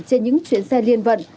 trên những chuyến xe liên vận